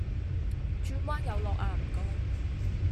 轉彎有落呀唔該